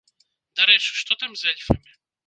Дарэчы, што там з эльфамі?